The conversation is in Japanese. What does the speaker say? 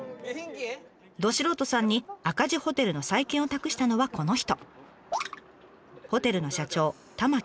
ど素人さんに赤字ホテルの再建を託したのはこの人。